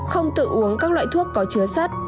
không tự uống các loại thuốc có chứa sắt